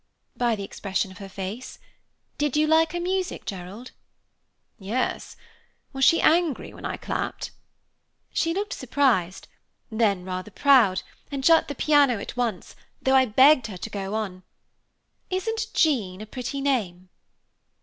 "By the expression of her face. Did you like her music, Gerald?" "Yes. Was she angry when I clapped?" "She looked surprised, then rather proud, and shut the piano at once, though I begged her to go on. Isn't Jean a pretty name?"